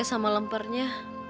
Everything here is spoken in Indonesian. saya sama lemparnya